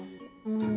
うん。